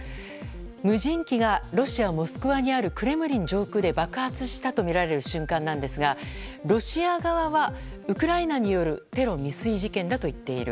無人機がロシア・モスクワにあるクレムリン上空で爆発したとみられる瞬間なんですがロシア側は、ウクライナによるテロ未遂事件だと言っている。